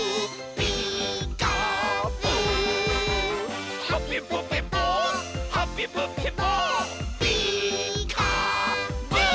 「ピーカーブ！」